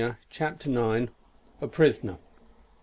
CHAPTER IX. A PRISONER.